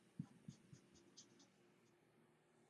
必须管理员参与才能完成。